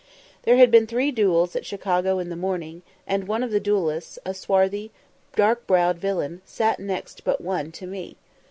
There had been three duels at Chicago in the morning, and one of the duellists, a swarthy, dark browed villain, sat next but one to me.